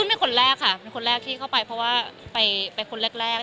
เป็นคนแรกค่ะเป็นคนแรกที่เข้าไปเพราะว่าไปคนแรก